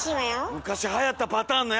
昔はやったパターンのやつ！